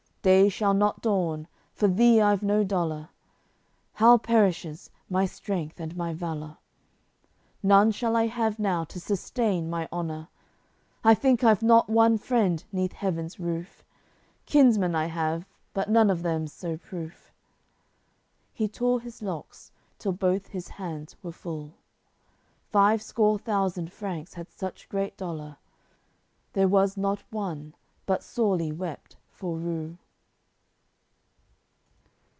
Day shall not dawn, for thee I've no dolour. How perishes my strength and my valour! None shall I have now to sustain my honour; I think I've not one friend neath heaven's roof, Kinsmen I have, but none of them's so proof." He tore his locks, till both his hands were full. Five score thousand Franks had such great dolour There was not one but sorely wept for rue.